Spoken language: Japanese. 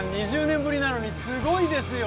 ２０年ぶりなのにすごいですよ